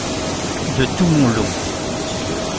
De tout mon long.